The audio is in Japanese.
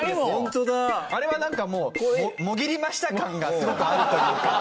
あれはなんかもうもぎりました感がすごくあるというか。